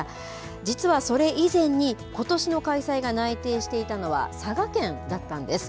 実はそれ以前に、ことしの開催が内定していたのは、佐賀県だったんです。